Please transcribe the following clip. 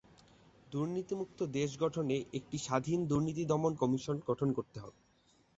দুর্নীতিমুক্ত দেশ গঠনে একটি স্বাধীন দুর্নীতি দমন কমিশন গঠন করতে হবে।